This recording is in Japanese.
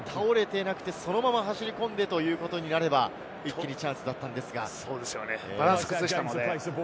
そのまま走り込んでということになれば、一気にチャンスだったのバランスを崩したので。